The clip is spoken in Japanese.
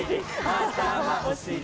あたまおしり